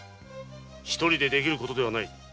一人でできることではない。